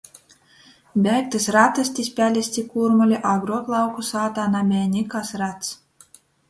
Beigtys ratestis, pelis ci kūrmuli agruok lauku sātā nabeja nikas rats.